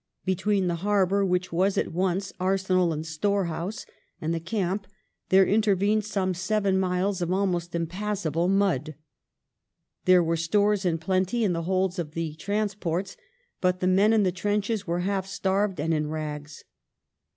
Between the harbour, which was at once ai*senal and storehouse, and the camp, there intervened some seven miles of almost impass able mud. There were stores in plenty in the holds of the Trans ports, but the men in the trenches were half starved and in rags.